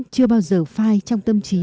chưa bao giờ phai trong cuộc chiến đấu